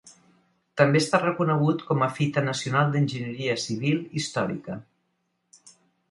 També està reconegut com a Fita Nacional d'Enginyeria Civil Històrica.